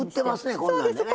こんなんでね。